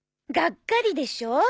がっかりでしょ？